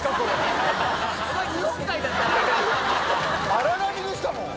荒波でしたもん。